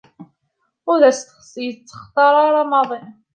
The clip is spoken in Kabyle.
Ur as-yeṭṭaxxer ara maḍi kra tella s tadist.